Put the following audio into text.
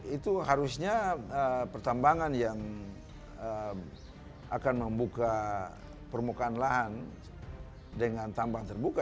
itu harusnya pertambangan yang akan membuka permukaan lahan dengan tambang terbuka